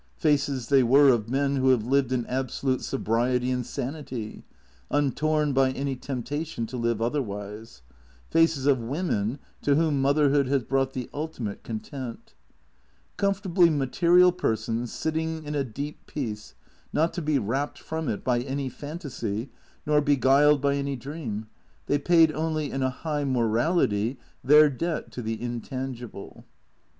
Faces, they were, of men who have lived in absolute sobriety and sanity, untorn by any temptation to live otherwise; faces of women to whom mother hood has brought the ultimate content. Comfortably material persons, sitting in a deep peace, not to be rapt from it by any fantasy, nor beguiled by any dream, they paid only in a high morality their debt to the intangible.